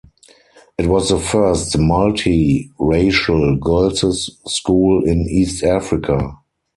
It was the first multi-racial girls' school in East Africa.